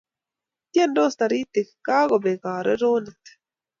Tiendos Taritik, kakobek karironet